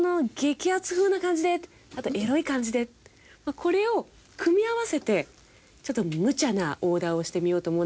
これを組み合わせてちょっとむちゃなオーダーをしてみようと思うんですが。